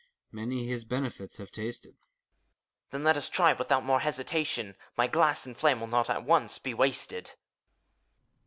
Many his benefits have tasted. HOMUNCULUS. Then let us try, without more hesitation! My glass and flame will not at once be wasted.